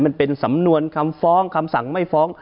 มันเป็นสำนวนคำฟ้องคำสั่งไม่ฟ้อง